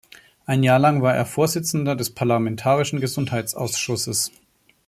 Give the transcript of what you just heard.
Ein Jahr lang war er Vorsitzender des parlamentarischen Gesundheitsausschusses.